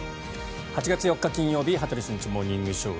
８月４日、金曜日「羽鳥慎一モーニングショー」。